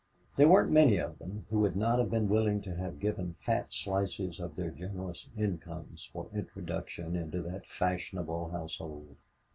There weren't many of them who would not have been willing to have given fat slices of their generous incomes for introduction into that fashionable household.